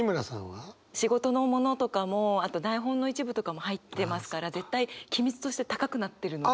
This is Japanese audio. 仕事のものとかもあと台本の一部とかも入ってますから絶対機密として高くなってるので。